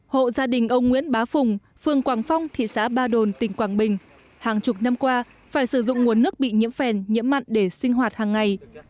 hộ gia đình ông nguyễn bá phùng phường quảng phong thị xã ba đồn tỉnh quảng bình hàng chục năm qua phải sử dụng nguồn nước bị nhiễm phèn nhiễm mặn để sinh hoạt hàng ngày